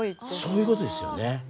そういうことですよね。